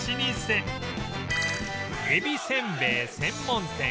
えびせんべい専門店。